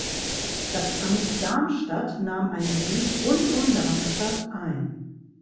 Das "Amt Darmstadt" nahm ein Gebiet rund um Darmstadt ein.